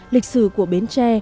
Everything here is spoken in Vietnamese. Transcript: lịch sử của bến tre